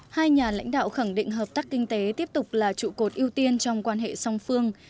hai nhà lãnh đạo khẳng định hợp tác kinh tế tiếp tục là trụ cột ưu tiên trong quan hệ song phương